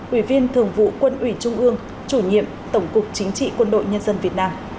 ủy viên thường vụ quân ủy trung ương chủ nhiệm tổng cục chính trị quân đội nhân dân việt nam